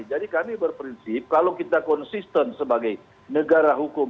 jadi kami berprinsip kalau kita konsisten sebagai negara hukum